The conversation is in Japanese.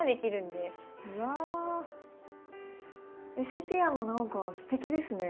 セピアも何かすてきですね。